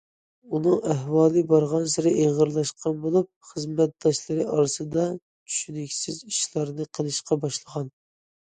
ئۇنىڭ ئەھۋالى بارغانسېرى ئېغىرلاشقان بولۇپ، خىزمەتداشلىرى ئارىسىدا چۈشىنىكسىز ئىشلارنى قىلىشقا باشلىغان.